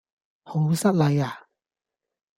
好失禮呀?